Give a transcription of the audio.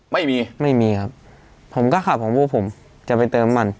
ไม่มีไม่มีครับผมก็ขับของพวกผมจะไปเติมมัน